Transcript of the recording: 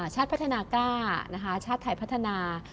ชาติพัฒนากล้าชาติไทยพัฒนา